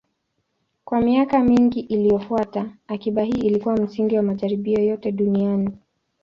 Kwa miaka mingi iliyofuata, akiba hii ilikuwa msingi wa majaribio yote duniani.